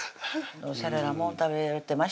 おしゃれなもん食べてましたね